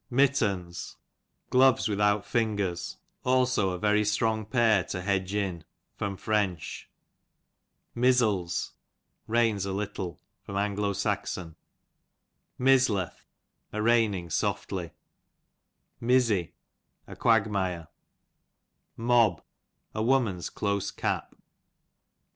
Mittens, gloves without fingers^ also a very strong pair to hedge in. Fr. Mizzles, rains a little, Mizzleth, raining softly. Mizzy, a quagmire. Mob, a woman^s close cap.